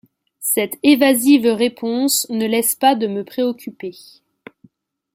Cette évasive réponse ne laisse pas de me préoccuper.